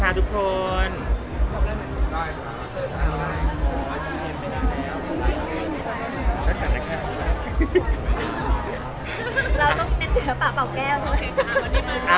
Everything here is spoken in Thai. เราต้องเป็นศิลปะเปล่าแก้วเลยค่ะ